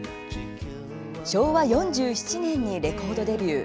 昭和４７年にレコードデビュー。